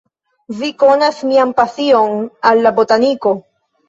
Vi konas mian pasion al la botaniko.